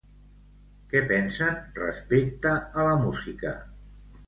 Què pensen respecte a la música?